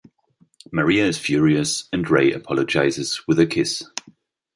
Maria is furious and Ray apologizes with a kiss.